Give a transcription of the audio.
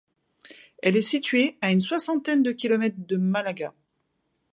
Elle est située à une soixantaine de kilomètres de Malaga.